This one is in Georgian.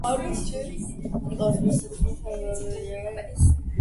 ნიკოლოზ თბილელს ეკუთვნის საგალობლები, იამბიკოები და სხვა.